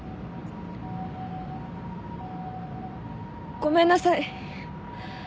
ごめんなさい。